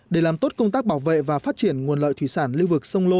để làm tốt công tác bảo vệ và phát triển nguồn lợi thủy sản lưu vực sông lô